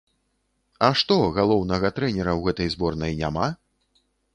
А што галоўнага трэнера ў гэтай зборнай няма?